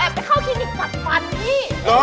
แต่ไปเข้าคลินิกจัดฟันพี่